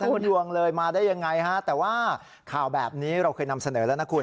ดวงเลยมาได้ยังไงฮะแต่ว่าข่าวแบบนี้เราเคยนำเสนอแล้วนะคุณ